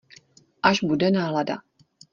Až bude nálada.